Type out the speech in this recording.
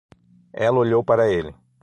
Ela olhou para ele.